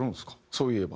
そういえば。